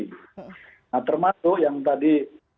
nah termasuk yang tadi